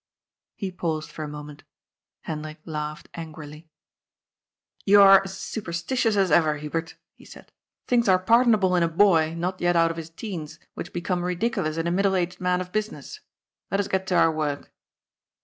He paused for a moment. Hendrik laughed angrily. 340 GOD'S FOOL. " You are as superstitious as eyer, Hubert," he said. " Things are pardonable in a boy not yet out of his teens which be come ridiculous in a middle aged man of business. Let us get to our work."